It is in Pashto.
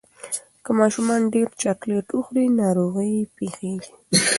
که ماشومان ډیر چاکلېټ وخوري، ناروغي پېښېږي.